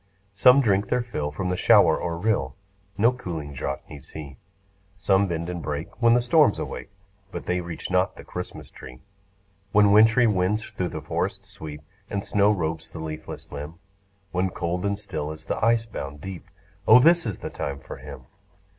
Some drink their fill from the shower or rill; No cooling draught needs he; Some bend and break when the storms awake, But they reach not the Christmas tree. When wintry winds thro' the forests sweep, And snow robes the leafless limb; When cold and still is the ice bound deep, O this is the time for him.